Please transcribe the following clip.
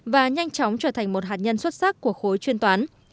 và nhanh chóng trở thành một hạt nhân xuất sắc của khối chuyên toán